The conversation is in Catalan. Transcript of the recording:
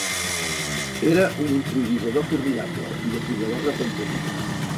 Era un improvisador formidable i de poderosa fantasia.